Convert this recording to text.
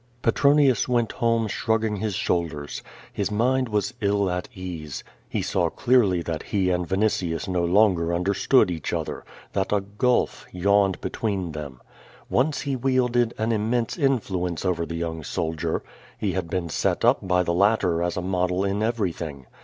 Petronius went home shrugging his shoulders. His mind was ill at case. He saw clearly that he and Vinitius no long ; or understood each other, that a gulf yawne<l between them.^ Once he wiekled an immense intluence over the young soldier. He had been set u}) by tlie hitter as a model in everything.